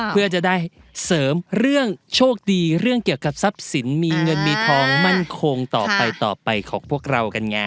เพื่อจะได้เสริมเรื่องโชคดีเรื่องเกี่ยวกับทรัพย์สินมีเงินมีทองมั่นคงต่อไปต่อไปของพวกเรากันไง